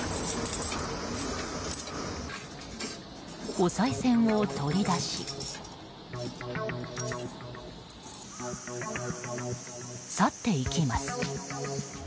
おさい銭を取り出し去っていきます。